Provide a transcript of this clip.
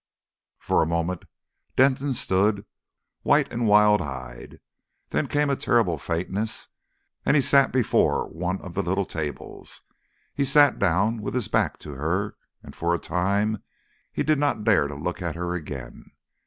For a moment Denton stood white and wild eyed; then came a terrible faintness, and he sat before one of the little tables. He sat down with his back to her, and for a time he did not dare to look at her again.